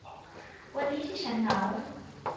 วันนี้ที่ฉันเหงา